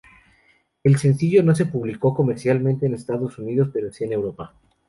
El sencillo no se publicó comercialmente en Estados Unidos, pero sí en Europa.